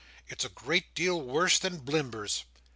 It's a great deal worse than Blimber's."